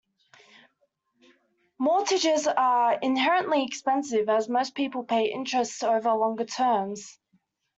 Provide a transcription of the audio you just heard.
Mortgages are inherently expensive as most people pay interest over longer terms.